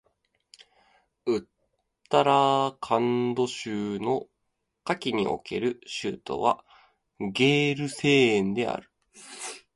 ウッタラーカンド州の夏季における州都はゲールセーンである